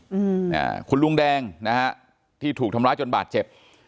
อืมอ่าคุณลุงแดงนะฮะที่ถูกทำร้ายจนบาดเจ็บ